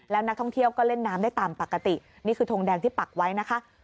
แล้วนักท่องเที่ยวก็เล่นน้ำได้ตามปกตินี่คือทงแดงที่ปักไว้นะคะ